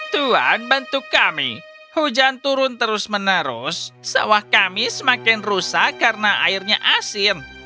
tuhan bantu kami hujan turun terus menerus sawah kami semakin rusak karena airnya asin